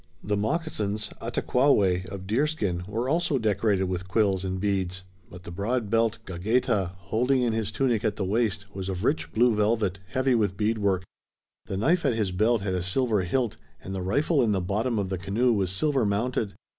The moccasins, ahtaquaoweh, of deerskin, were also decorated with quills and beads, but the broad belt, gagehta, holding in his tunic at the waist, was of rich blue velvet, heavy with bead work. The knife at his belt had a silver hilt, and the rifle in the bottom of the canoe was silver mounted.